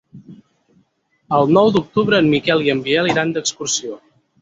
El nou d'octubre en Miquel i en Biel iran d'excursió.